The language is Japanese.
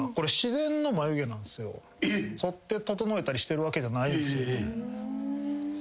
そって整えたりしてるわけじゃないんすよね。